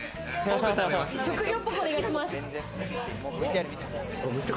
職業っぽくお願いします。